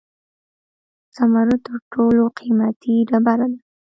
زمرد تر ټولو قیمتي ډبره ده